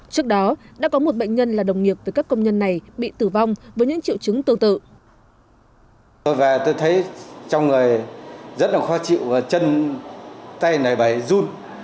trước đó đã có một bệnh nhân là đồng nghiệp với các công nhân này bị tử vong với những triệu chứng tương tự